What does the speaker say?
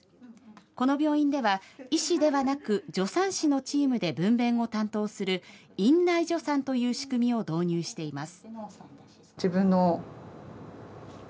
この病院では、医師ではなく、助産師のチームで分べんを担当する院内助産という仕組みを導入しています。